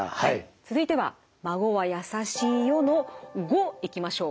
続いては「まごわやさしいよ」の「ご」いきましょう。